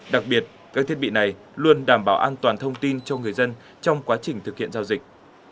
đặc biệt các thiết bị này luôn đảm bảo an toàn thông tin cho người dân trong quá trình thực hiện giao dịch